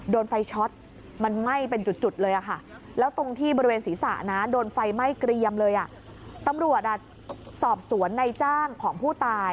โดนไฟช็อตมันไหม้เป็นจุดเลยค่ะ